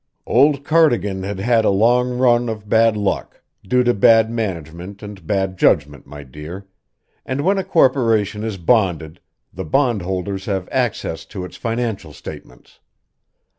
"Old Cardigan had had a long run of bad luck due to bad management and bad judgment, my dear and when a corporation is bonded, the bondholders have access to its financial statements.